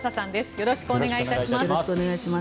よろしくお願いします。